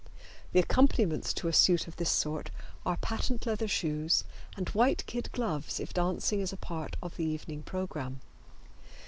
The accompaniments to a suit of this sort are patent leather shoes and white kid gloves if dancing is a part of the evening programme.